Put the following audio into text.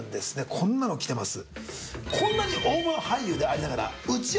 こんなの来てます。